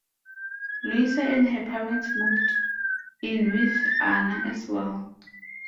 Louisa and her parents moved in with Anna as well.